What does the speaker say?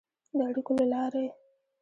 د اړیکو له لارې